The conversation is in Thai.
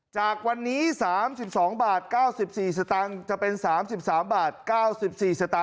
จากวันนี้๓๒บาท๙๔สตจะเป็น๓๓บาท๙๔สต